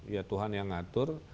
ya tuhan yang ngatur